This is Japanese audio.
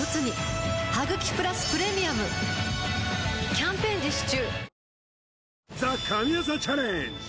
キャンペーン実施中